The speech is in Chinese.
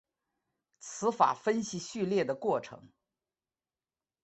词法分析序列的过程。